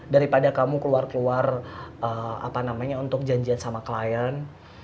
daripada kamu keluar keluar untuk janjian sama klien